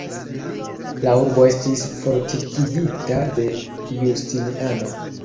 La urbo estis fortikigita de Justiniano.